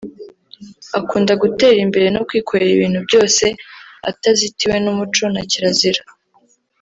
akunda gutera imbere no kwikorera ibintu byose atazitiwe n’umuco na kirazira